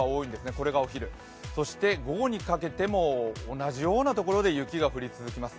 これがお昼、そして午後にかけても同じような所で雪が降り続けます。